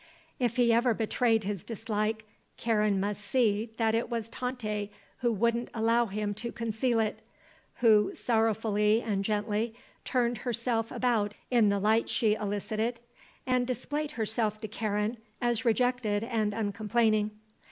If he ever betrayed his dislike Karen must see that it was Tante who wouldn't allow him to conceal it, who, sorrowfully and gently, turned herself about in the light she elicited and displayed herself to Karen as rejected and uncomplaining.